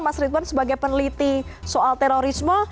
mas ridwan sebagai peneliti soal terorisme